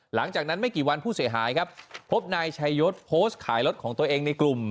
หลังจากนั้นไม่กี่วันผู้เสียหายครับพบนายชายศโพสต์ขายรถของตัวเองในกลุ่ม